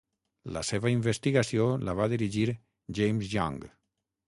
La seva investigació la va dirigir James Young.